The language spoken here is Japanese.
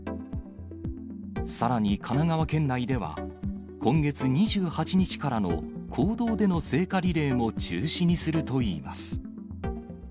さらに、神奈川県内では、今月２８日からの公道での聖火リレーも中止にするといいます。